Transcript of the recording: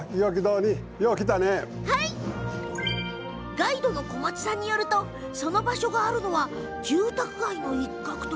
ガイドの小松さんによるとその場所があるのは住宅街の一角。